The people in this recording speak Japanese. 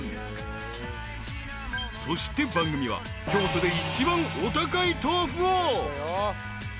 ［そして番組は京都で一番お高い豆腐を］